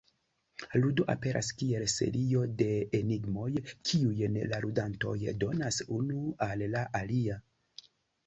Ludo aperas kiel serio de enigmoj, kiujn la ludantoj donas unu al la alia.